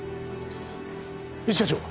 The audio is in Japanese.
一課長。